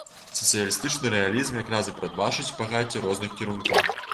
Сацыялістычны рэалізм якраз і прадбачыць багацце розных кірункаў.